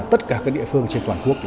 tất cả các địa phương trên toàn quốc